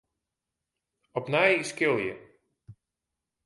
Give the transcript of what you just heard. Opnij skilje.